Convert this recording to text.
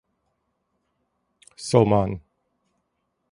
Soman.